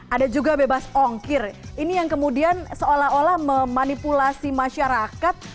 ada juga bebas ongkir ini yang kemudian seolah olah memanipulasi masyarakat